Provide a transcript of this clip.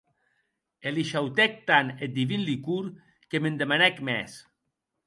E l’agradèc tant eth divin licor que m’en demanèc mès.